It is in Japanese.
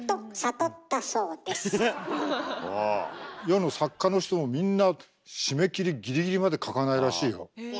世の作家の人もみんな締め切りギリギリまで書かないらしいよ。